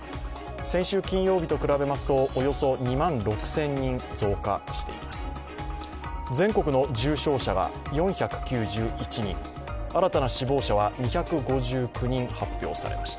先週金曜日と比べますとおよそ２万６０００人増加しています。